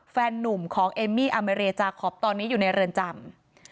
แฟนนุ่มของเอมมี่อาเมรียจาคอปตอนนี้อยู่ในเรือนจำ